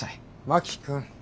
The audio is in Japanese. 真木君。